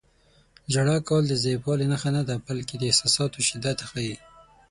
• ژړا کول د ضعیفوالي نښه نه ده، بلکې د احساساتو شدت ښيي.